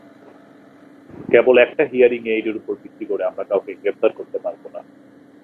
কেবল একটা hearing aid উপর ভিত্তি করে আমরা কাউকে গ্রেপ্তার করতে পারবো না।